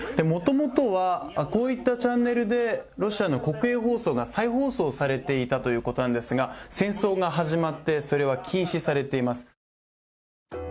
もともとは、こういったチャンネルでロシアの国営放送が再放送されていたということなんですが、戦争が始まって、それは禁止されています。